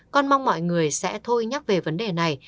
con mong mọi người sẽ thôi nhắc về vấn đề này